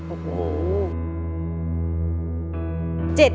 โอ้โห